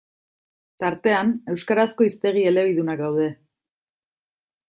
Tartean, euskarazko hiztegi elebidunak daude.